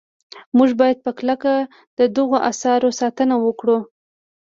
موږ باید په کلکه د دغو اثارو ساتنه وکړو.